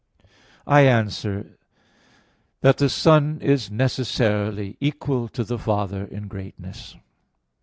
I answer that, The Son is necessarily equal to the Father in greatness.